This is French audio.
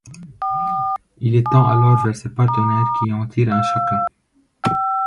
Il les tend alors vers ses partenaires, qui en tirent un chacun.